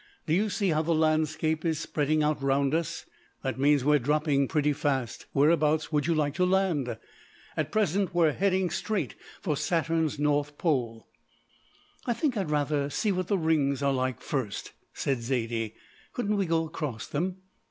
Do you see how the landscape is spreading out round us? That means that we are dropping pretty fast. Whereabouts would you like to land? At present we're heading straight for Saturn's north pole." "I think I'd rather see what the rings are like first," said Zaidie; "couldn't we go across them?"